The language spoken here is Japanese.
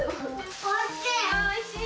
・おいしい？